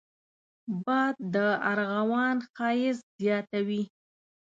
باد د ارغوان ښايست زیاتوي